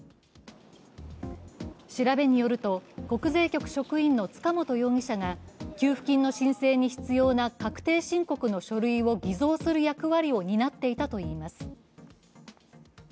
調べによると、国税局職員の塚本容疑者が給付金の申請に必要な確定申告の書類を偽造する役割を担っていたといいます。